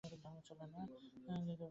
বলি, এদেশে আমাদের দেশের মত ধর্ম চলে না।